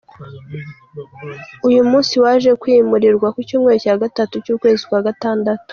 Uyu munsi waje kwimurirwa ku Cyumweru cya gatatu cy’ ukwezi kwa Gatandatu.